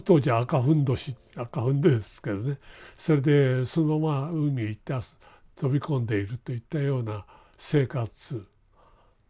それでそのまま海行って飛び込んでいるといったような生活。